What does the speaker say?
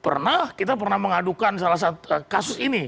pernah kita pernah mengadukan salah satu kasus ini